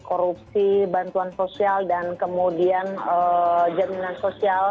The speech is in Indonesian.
korupsi bantuan sosial dan kemudian jaminan sosial